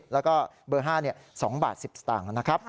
แล้วก็เบอร์๕๒๑๐บาทนะครับ